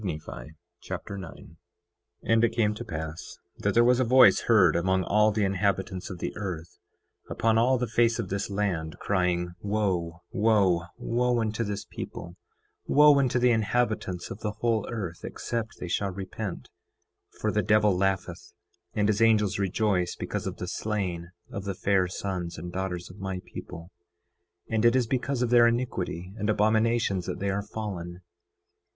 3 Nephi Chapter 9 9:1 And it came to pass that there was a voice heard among all the inhabitants of the earth, upon all the face of this land, crying: 9:2 Wo, wo, wo unto this people; wo unto the inhabitants of the whole earth except they shall repent; for the devil laugheth, and his angels rejoice, because of the slain of the fair sons and daughters of my people; and it is because of their iniquity and abominations that they are fallen!